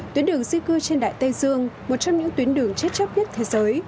tuyến đường di cư trên đại tây dương một trong những tuyến đường chết chóc nhất thế giới